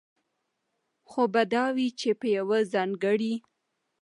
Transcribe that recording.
خو به دا وي، چې په يوه ځانګړي